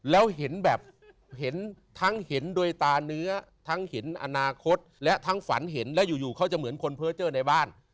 แล้วเห็นแบบเห็นทั้งเห็นโดยตาเนื้อทั้งเห็นอนาคตและทั้งฝันเห็นแล้วอยู่เขาจะเหมือนคนเพอร์เจอร์ในบ้าน